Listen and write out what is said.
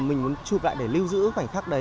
mình muốn chụp lại để lưu giữ khoảnh khắc đấy